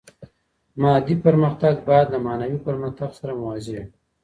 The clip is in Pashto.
مادي پرمختګ باید له معنوي پرمختګ سره موازي وي.